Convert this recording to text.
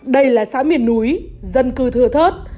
đây là xã miền núi dân cư thừa thớt